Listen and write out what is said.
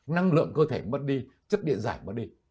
năng lượng cơ thể mất đi chất điện giải mất đi